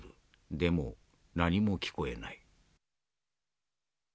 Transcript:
でも何も聞こえない」。